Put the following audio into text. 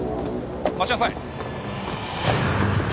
待ちなさい。